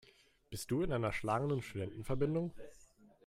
Bist du in einer schlagenden Studentenverbindung?